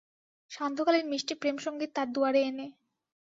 সান্ধ্যকালীন মিষ্টি প্রেমসঙ্গীত তার দুয়ারে এনে।